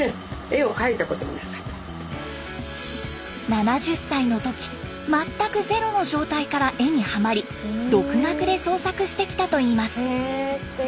７０歳の時全くゼロの状態から絵にハマり独学で創作してきたといいます。